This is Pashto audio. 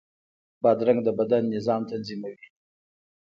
بادرنګ د بدن نظام تنظیموي.